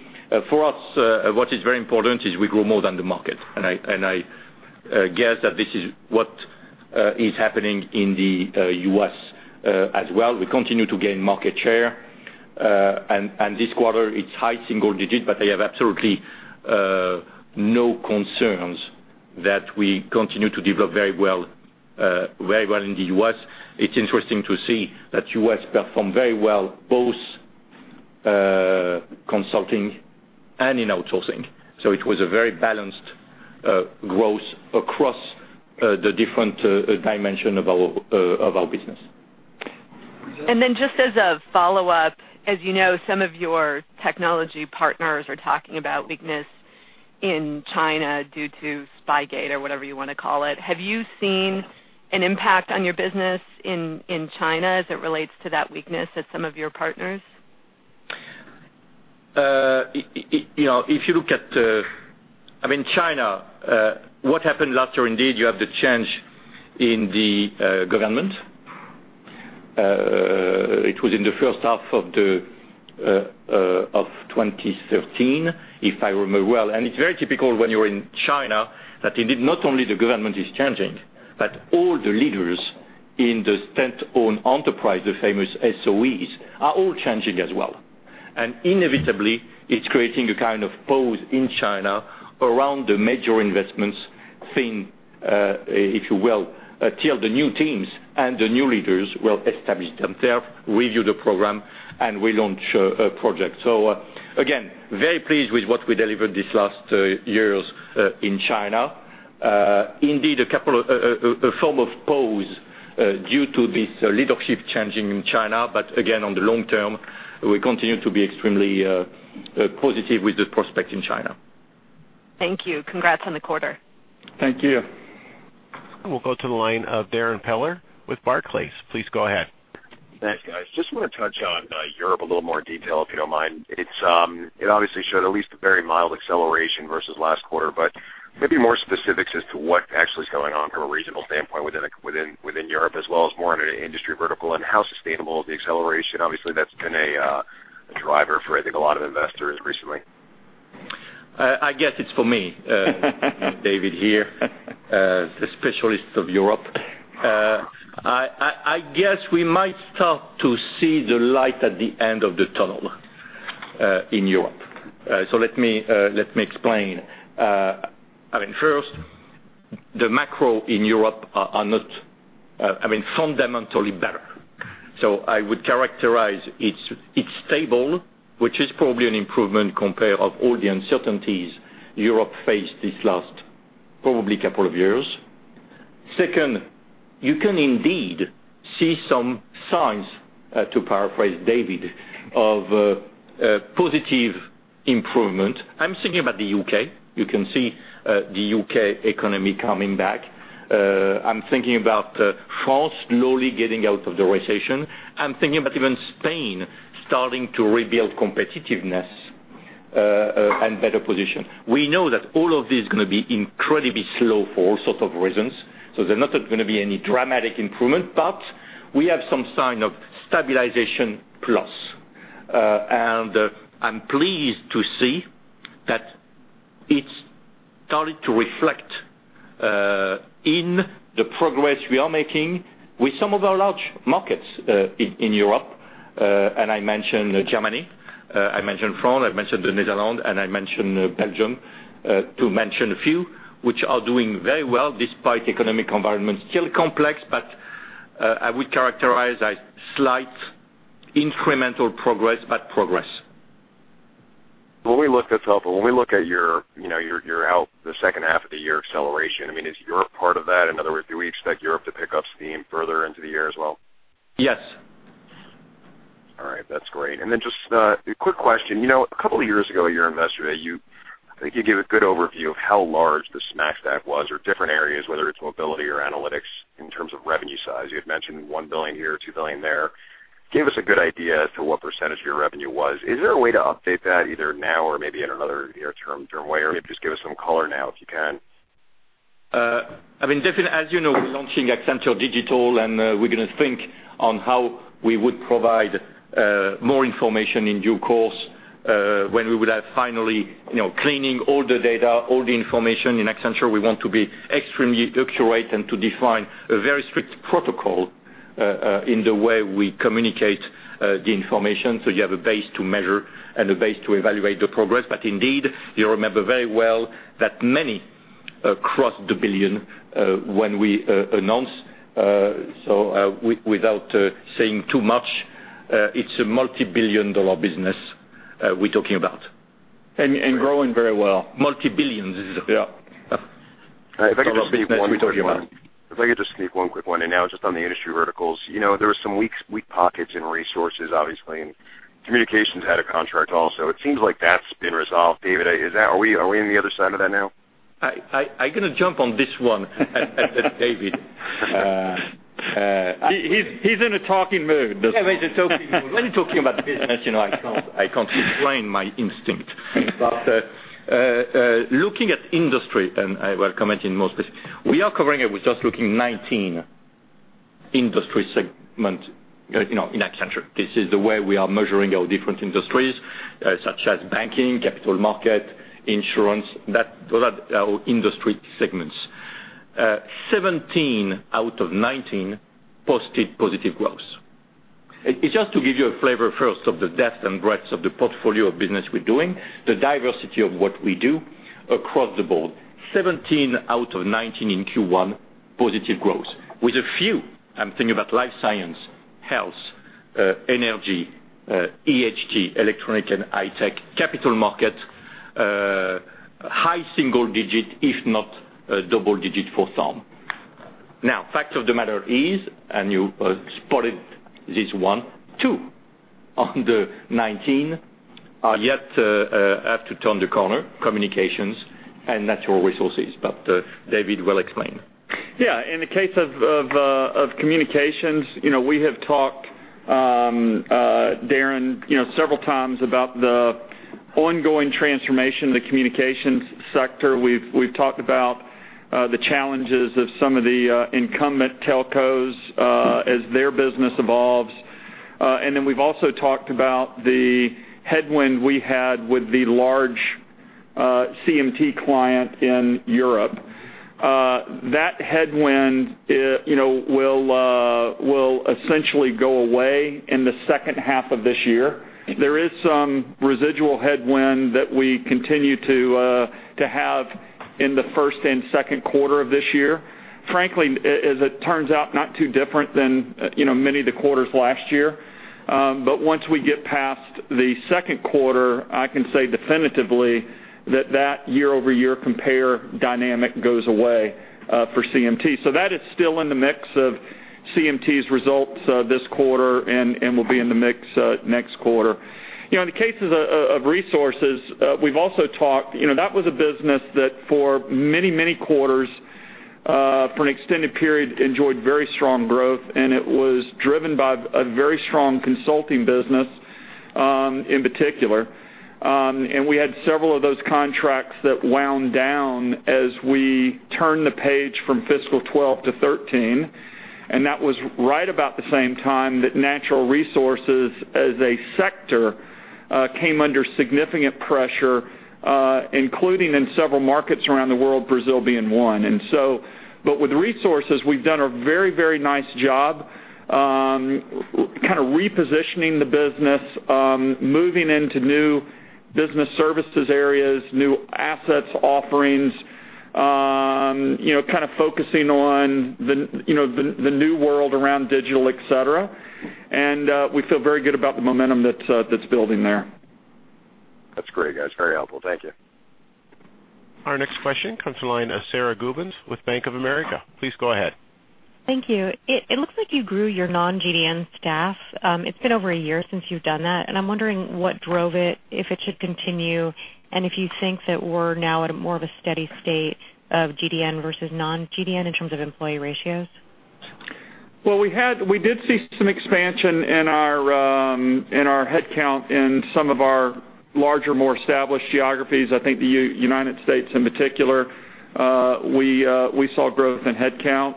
For us, what is very important is we grow more than the market. I guess that this is what is happening in the U.S. as well. We continue to gain market share This quarter, it's high single digit, but I have absolutely no concerns that we continue to develop very well in the U.S. It's interesting to see that U.S. performed very well, both consulting and in outsourcing. It was a very balanced growth across the different dimension of our business. Just as a follow-up, as you know, some of your technology partners are talking about weakness in China due to Spygate or whatever you want to call it. Have you seen an impact on your business in China as it relates to that weakness at some of your partners? If you look at China, what happened last year, indeed, you have the change in the government. It was in the first half of 2013, if I remember well. It's very typical when you're in China that indeed not only the government is changing, but all the leaders in the state-owned enterprise, the famous SOEs, are all changing as well. Inevitably, it's creating a kind of pause in China around the major investments theme, if you will, until the new teams and the new leaders will establish themselves, review the program, and will launch a project. Again, very pleased with what we delivered these last years in China. Indeed, a form of pause due to this leadership changing in China. Again, on the long term, we continue to be extremely positive with the prospect in China. Thank you. Congrats on the quarter. Thank you. We'll go to the line of Darrin Peller with Barclays. Please go ahead. Thanks, guys. Just want to touch on Europe a little more detail, if you don't mind. It obviously showed at least a very mild acceleration versus last quarter, but maybe more specifics as to what actually is going on from a regional standpoint within Europe, as well as more on an industry vertical and how sustainable is the acceleration. Obviously, that's been a driver for, I think, a lot of investors recently. I guess it's for me. David here, the specialist of Europe. I guess we might start to see the light at the end of the tunnel in Europe. Let me explain. First, the macro in Europe are not fundamentally better. I would characterize it's stable, which is probably an improvement compared of all the uncertainties Europe faced these last probably couple of years. Second, you can indeed see some signs, to paraphrase David, of positive improvement. I'm thinking about the U.K. You can see the U.K. economy coming back. I'm thinking about France slowly getting out of the recession. I'm thinking about even Spain starting to rebuild competitiveness and better position. We know that all of this is going to be incredibly slow for all sorts of reasons. There's not going to be any dramatic improvement, but we have some sign of stabilization plus. I'm pleased to see that it's started to reflect in the progress we are making with some of our large markets in Europe. I mentioned Germany, I mentioned France, I mentioned the Netherlands, and I mentioned Belgium to mention a few, which are doing very well despite economic environment. Still complex, but I would characterize as slight incremental progress, but progress. That's helpful. When we look at your out the second half of the year acceleration, is Europe part of that? In other words, do we expect Europe to pick up steam further into the year as well? Yes. All right. That's great. Just a quick question. A couple of years ago at your Investor Day, I think you gave a good overview of how large the SMAC stack was or different areas, whether it's mobility or analytics in terms of revenue size. You had mentioned $1 billion here, $2 billion there. Gave us a good idea as to what percentage of your revenue was. Is there a way to update that either now or maybe in another near term way? Maybe just give us some color now, if you can. As you know, we're launching Accenture Digital, we're going to think on how we would provide more information in due course when we would have finally cleaning all the data, all the information. In Accenture, we want to be extremely accurate and to define a very strict protocol in the way we communicate the information so you have a base to measure and a base to evaluate the progress. Indeed, you remember very well that many crossed the billion when we announced. Without saying too much, it's a multibillion-dollar business we're talking about. Growing very well. Multibillions. Yeah. That's what we're talking about. If I could just sneak one quick one in now, just on the industry verticals. There were some weak pockets in resources, obviously, and communications had a contract also. It seems like that's been resolved. David, are we on the other side of that now? I'm going to jump on this one at David. He's in a talking mood. Yeah, he's in a talking mood. When you're talking about business, I can't explain my instinct. Looking at industry, and I will comment in more specific, we are covering it with just looking 19 industry segments in Accenture. This is the way we are measuring our different industries, such as banking, capital market, insurance. Those are our industry segments. 17 out of 19 posted positive growth. It's just to give you a flavor first of the depth and breadth of the portfolio of business we're doing, the diversity of what we do across the board. 17 out of 19 in Q1, positive growth. With a few, I'm thinking about life science, health, energy, E&HT, electronic and high tech, capital market, high single digit, if not double digit for some. Fact of the matter is, you spotted this one, two on the 19 are yet to have to turn the corner, communications and natural resources. David will explain. In the case of communications, we have talked, Darrin, several times about the ongoing transformation in the communications sector. We've talked about the challenges of some of the incumbent telcos as their business evolves. We've also talked about the headwind we had with the large CMT client in Europe. That headwind will essentially go away in the second half of this year. There is some residual headwind that we continue to have in the first and second quarter of this year. Frankly, as it turns out, not too different than many of the quarters last year. Once we get past the second quarter, I can say definitively that year-over-year compare dynamic goes away for CMT. That is still in the mix of CMT's results this quarter and will be in the mix next quarter. In the cases of Resources, we've also talked, that was a business that for many, many quarters, for an extended period, enjoyed very strong growth, and it was driven by a very strong consulting business, in particular. We had several of those contracts that wound down as we turned the page from fiscal 2012 to 2013, and that was right about the same time that natural resources as a sector came under significant pressure, including in several markets around the world, Brazil being one. With Resources, we've done a very nice job kind of repositioning the business, moving into new business services areas, new assets offerings, kind of focusing on the new world around digital, et cetera. We feel very good about the momentum that's building there. That's great, guys. Very helpful. Thank you. Our next question comes to the line of Sara Gubins with Bank of America. Please go ahead. Thank you. It looks like you grew your non-GDN staff. It's been over a year since you've done that, and I'm wondering what drove it, if it should continue, and if you think that we're now at a more of a steady state of GDN versus non-GDN in terms of employee ratios. We did see some expansion in our headcount in some of our larger, more established geographies. I think the United States in particular, we saw growth in headcount.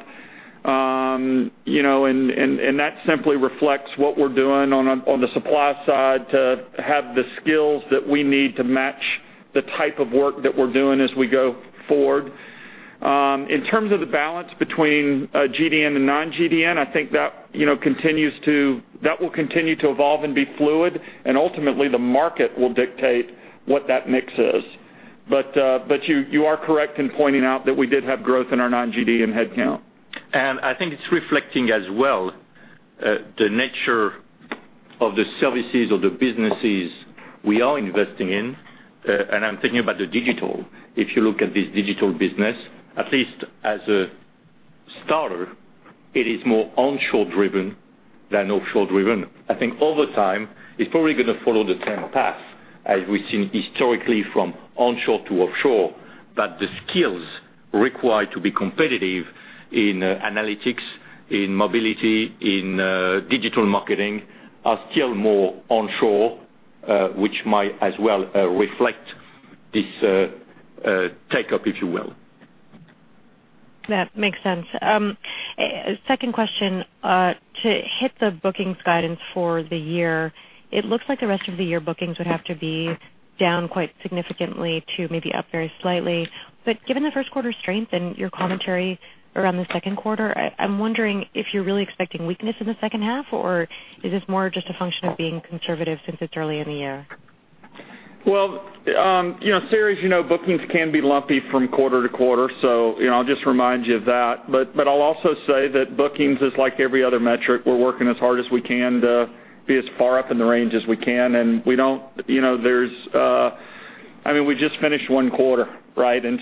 That simply reflects what we're doing on the supply side to have the skills that we need to match the type of work that we're doing as we go forward. In terms of the balance between GDN and non-GDN, I think that will continue to evolve and be fluid, and ultimately, the market will dictate what that mix is. You are correct in pointing out that we did have growth in our non-GDN headcount. I think it's reflecting as well, the nature of the services of the businesses we are investing in. I'm thinking about the Digital. If you look at this Digital business, at least as a starter, it is more onshore-driven than offshore-driven. I think over time, it's probably going to follow the same path as we've seen historically from onshore to offshore, that the skills required to be competitive in Analytics, in Mobility, in digital marketing are still more onshore, which might as well reflect this take-up, if you will. That makes sense. Second question, to hit the bookings guidance for the year, it looks like the rest of the year bookings would have to be down quite significantly to maybe up very slightly. Given the first quarter strength and your commentary around the second quarter, I'm wondering if you're really expecting weakness in the second half, or is this more just a function of being conservative since it's early in the year? Well, Sara, as you know, bookings can be lumpy from quarter to quarter, I'll just remind you of that. I'll also say that bookings is like every other metric. We're working as hard as we can to be as far up in the range as we can, I mean, we just finished one quarter, right? As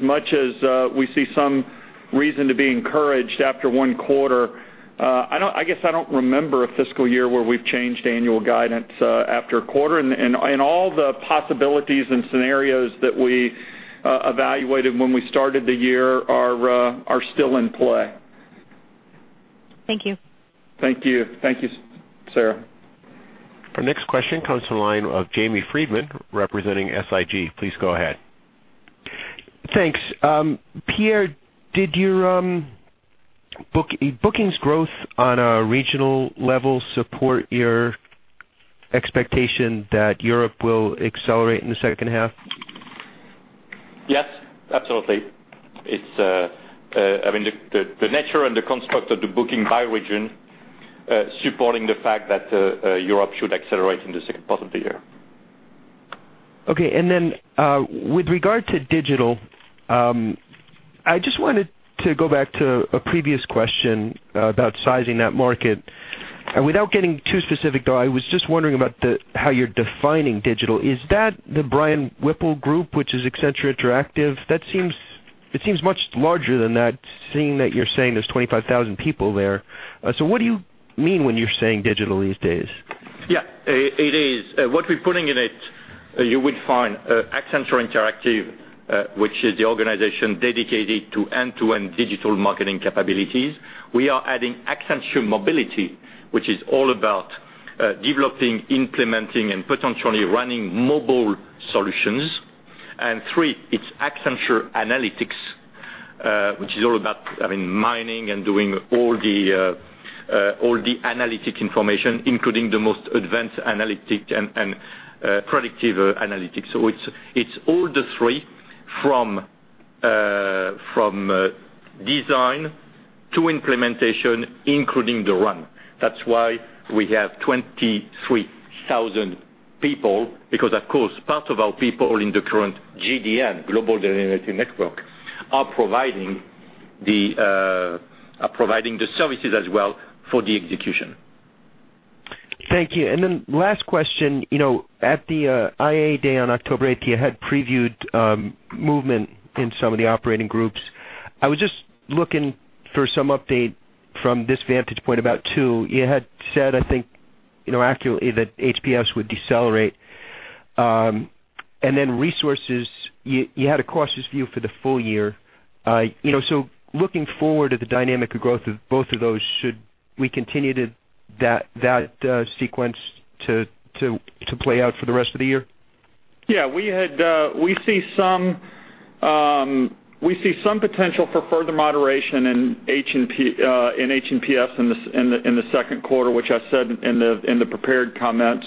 much as we see some reason to be encouraged after one quarter, I guess I don't remember a fiscal year where we've changed annual guidance after a quarter. All the possibilities and scenarios that we evaluated when we started the year are still in play. Thank you. Thank you, Sarah. Our next question comes to the line of Jamie Friedman representing SIG. Please go ahead. Thanks. Pierre, did your Bookings growth on a regional level support your expectation that Europe will accelerate in the second half? Yes, absolutely. The nature and the construct of the booking by region, supporting the fact that Europe should accelerate in the second part of the year. Okay. Then with regard to digital, I just wanted to go back to a previous question about sizing that market. Without getting too specific, though, I was just wondering about how you're defining digital. Is that the Brian Whipple group, which is Accenture Interactive? It seems much larger than that, seeing that you're saying there's 25,000 people there. What do you mean when you're saying digital these days? Yeah, it is. What we're putting in it, you would find Accenture Interactive, which is the organization dedicated to end-to-end digital marketing capabilities. We are adding Accenture Mobility, which is all about developing, implementing, and potentially running mobile solutions. It's 3, it's Accenture Analytics, which is all about mining and doing all the analytic information, including the most advanced analytic and predictive analytics. It's all the 3 from design to implementation, including the run. That's why we have 23,000 people, because, of course, part of our people in the current GDN, Global Delivery Network, are providing the services as well for the execution. Thank you. Then last question. At the IA day on October 8th, you had previewed movement in some of the operating groups. I was just looking for some update from this vantage point about 2. You had said, I think, accurately that H&PS would decelerate. Then resources, you had a cautious view for the full year. Looking forward at the dynamic of growth of both of those, should we continue that sequence to play out for the rest of the year? Yeah, we see some potential for further moderation in H&PS in the second quarter, which I said in the prepared comments.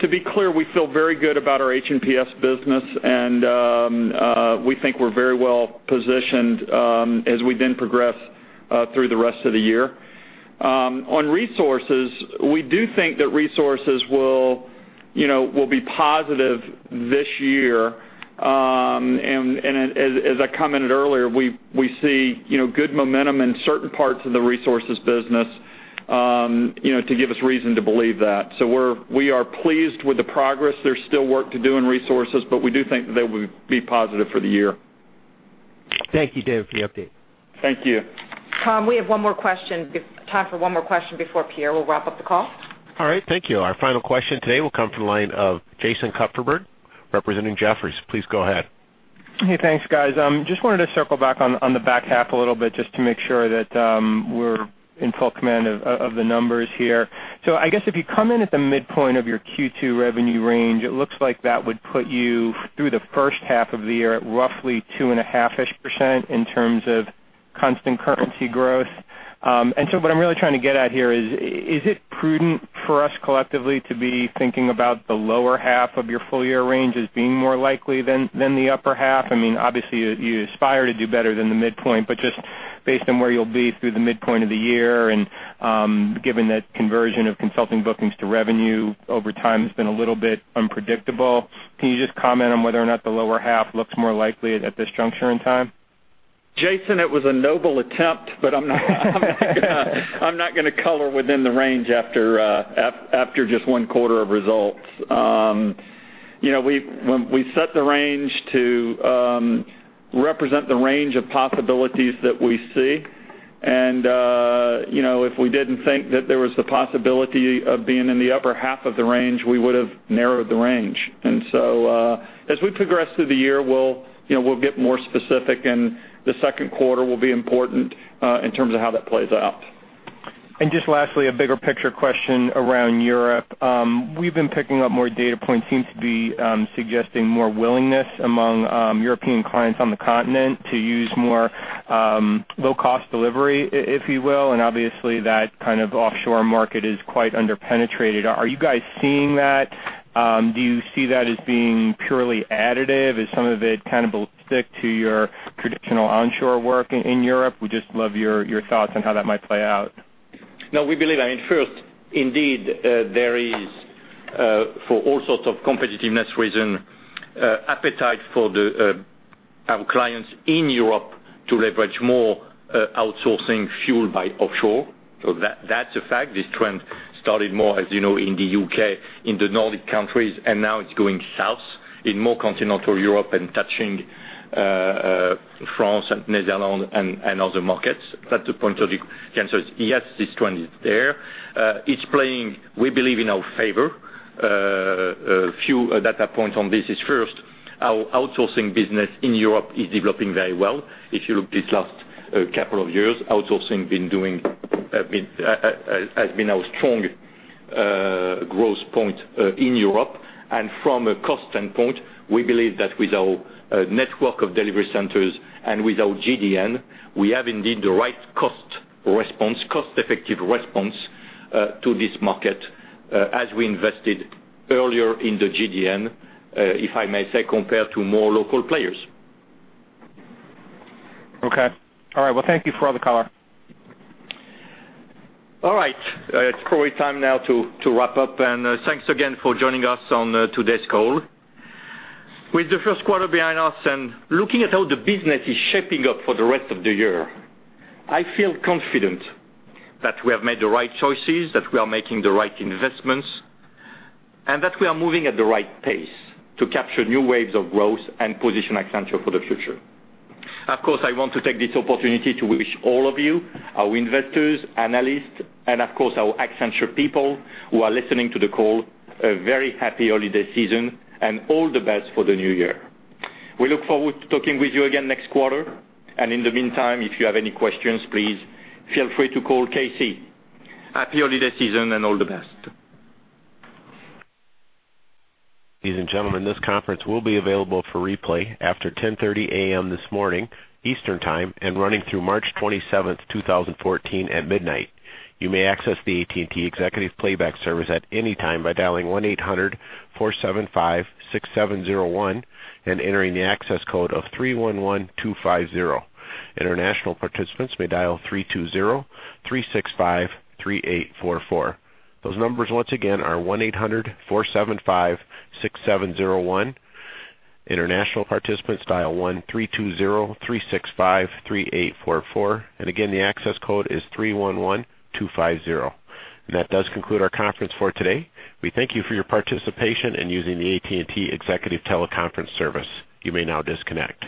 To be clear, we feel very good about our H&PS business, and we think we're very well-positioned as we then progress through the rest of the year. On resources, we do think that resources will be positive this year. As I commented earlier, we see good momentum in certain parts of the resources business to give us reason to believe that. We are pleased with the progress. There's still work to do in resources, we do think that they will be positive for the year. Thank you, Dave, for the update. Thank you. Tom, we have time for one more question before Pierre will wrap up the call. All right. Thank you. Our final question today will come from the line of Jason Kupferberg, representing Jefferies. Please go ahead. Hey, thanks, guys. Just wanted to circle back on the back half a little bit just to make sure that we're in full command of the numbers here. I guess if you come in at the midpoint of your Q2 revenue range, it looks like that would put you through the first half of the year at roughly 2.5%-ish in terms of constant currency growth. What I'm really trying to get at here is it prudent for us collectively to be thinking about the lower half of your full-year range as being more likely than the upper half? Obviously, you aspire to do better than the midpoint, but just based on where you'll be through the midpoint of the year and given that conversion of consulting bookings to revenue over time has been a little bit unpredictable. Can you just comment on whether or not the lower half looks more likely at this juncture in time? Jason, it was a noble attempt, but I'm not going to color within the range after just one quarter of results. We set the range to represent the range of possibilities that we see, and if we didn't think that there was the possibility of being in the upper half of the range, we would have narrowed the range. As we progress through the year, we'll get more specific, and the second quarter will be important in terms of how that plays out. Just lastly, a bigger picture question around Europe. We've been picking up more data points seem to be suggesting more willingness among European clients on the continent to use more low-cost delivery, if you will, and obviously, that kind of offshore market is quite under-penetrated. Are you guys seeing that? Do you see that as being purely additive? Is some of it cannibalistic to your traditional onshore work in Europe? We just love your thoughts on how that might play out. No, we believe, first, indeed, there is for all sorts of competitiveness reason, appetite for our clients in Europe to leverage more outsourcing fueled by offshore. That's a fact. This trend started more, as you know, in the U.K., in the Nordic countries, and now it's going south in more continental Europe and touching France and Netherlands and other markets. That's the point of the answer is, yes, this trend is there. It's playing, we believe, in our favor. A few data points on this is first, our outsourcing business in Europe is developing very well. If you look these last couple of years, outsourcing Has been our strong growth point in Europe. From a cost standpoint, we believe that with our network of delivery centers and with our GDN, we have indeed the right cost-effective response to this market as we invested earlier in the GDN, if I may say, compared to more local players. Okay. All right. Well, thank you for all the color. All right. It's probably time now to wrap up, and thanks again for joining us on today's call. With the first quarter behind us and looking at how the business is shaping up for the rest of the year, I feel confident that we have made the right choices, that we are making the right investments, and that we are moving at the right pace to capture new waves of growth and position Accenture for the future. Of course, I want to take this opportunity to wish all of you, our investors, analysts, and of course, our Accenture people who are listening to the call, a very happy holiday season, and all the best for the new year. We look forward to talking with you again next quarter. In the meantime, if you have any questions, please feel free to call Casey. Happy holiday season, and all the best. Ladies and gentlemen, this conference will be available for replay after 10:30 A.M. this morning, Eastern Time, and running through March 27th, 2014 at midnight. You may access the AT&T Executive Playback service at any time by dialing 1 800 475 6701 and entering the access code of 311250. International participants may dial 320 365 3844. Those numbers once again are 1 800 475 6701. International participants dial 1 320 365 3844. Again, the access code is 311250. That does conclude our conference for today. We thank you for your participation in using the AT&T Executive Teleconference service. You may now disconnect.